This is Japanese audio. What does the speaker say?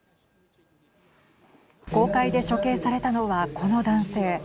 公開で処刑されたのはこの男性。